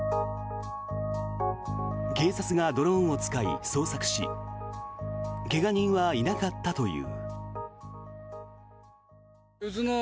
警察がドローンを使い捜索し怪我人はいなかったという。